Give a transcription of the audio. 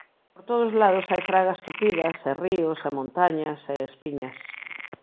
Por todos lados hai fragas tupidas, e ríos, e montañas, e espiñas.